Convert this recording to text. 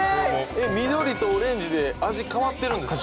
えっ緑とオレンジで味変わってるんですか？